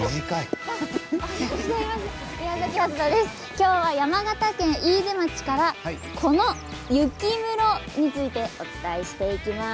今日は山形県飯豊町から雪室についてお伝えしていきます。